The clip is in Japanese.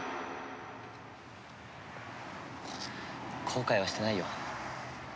後悔はしてないよ。